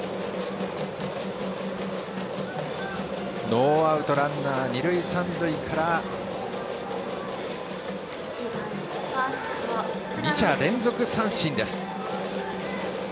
ノーアウトランナー、二塁三塁から二者連続三振です。